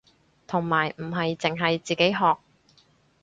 同埋唔係淨係自己學